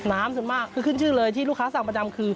ส่วนมากคือขึ้นชื่อเลยที่ลูกค้าสั่งประจำคือ